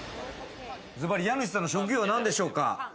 ずばり、家主さんの職業は何でしょうか？